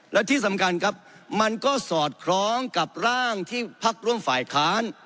และที่สำคัญครับมันก็สอดคล้องกับร่างที่พักร่วมฝ่ายค้าน